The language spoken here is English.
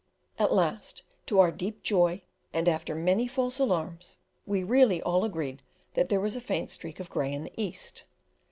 At last, to our deep joy, and after many false alarms, we really all agreed that there was a faint streak of grey in the east.